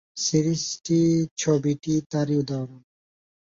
সিরিজটি ছবিটি তারই উদাহরণ।